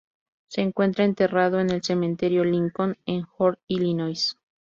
Se encuentra enterrado en el cementerio Lincoln, en Worth, Illinois.